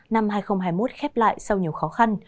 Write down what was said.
năm hai nghìn hai mươi một khép lại sau nhiều khó khăn